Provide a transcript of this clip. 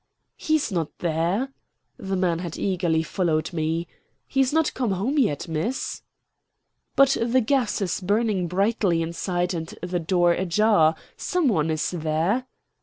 "He's not there." The man had eagerly followed me. "He's not come home yet, Miss." "But the gas is burning brightly inside and the door ajar. Some one is there."